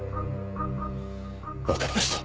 わかりました。